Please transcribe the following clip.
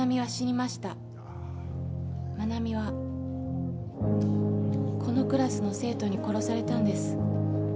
まなみは、このクラスの生徒に殺されたんです。